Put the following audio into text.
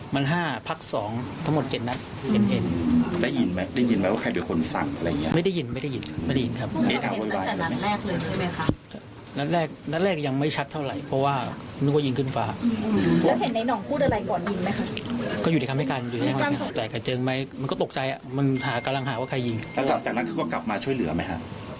มันก็ตกใจอะมันหากำลังหาว่าใครยิงแล้วหลังจากนั้นเขาก็กลับมาช่วยเหลือไหมฮะ